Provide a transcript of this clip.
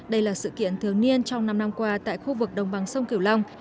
đây là sự kiện thường niên trong năm năm qua tại khu vực đông bằng sông kiểu long